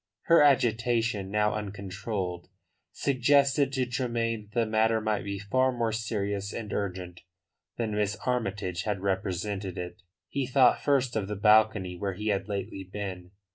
Her agitation, now uncontrolled, suggested to Tremayne that the matter might be far more serious and urgent than Miss Armytage had represented it. He thought first of the balcony where he had lately been.